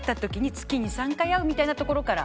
月２３回会うみたいなところから。